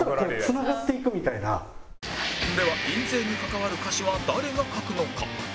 では印税に関わる歌詞は誰が書くのか？